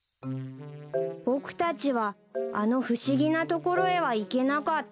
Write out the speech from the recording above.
僕たちはあの不思議な所へは行けなかった